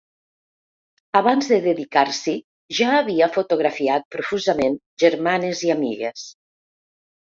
Abans de dedicar-s’hi, ja havia fotografiat profusament germanes i amigues.